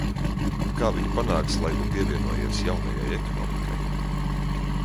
Kā viņi panāks, lai tu pievienojies jaunajai ekonomikai?